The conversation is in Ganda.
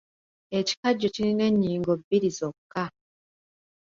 Ekikajjo kirina ennyingo bbiri zokka.